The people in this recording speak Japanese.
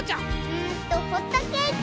うんとホットケーキ！